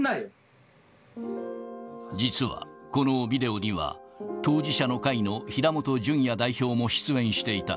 実はこのビデオには、当事者の会の平本淳也代表も出演していた。